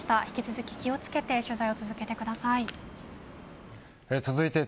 引き続き気をつけて取材をしてください。